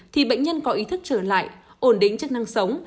thì bệnh nhân có ý thức trở lại ổn định chức năng sống